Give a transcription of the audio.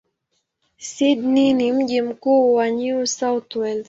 Sydney ni mji mkubwa wa New South Wales.